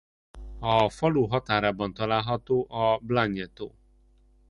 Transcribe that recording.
A falu határában található a Blanje-tó.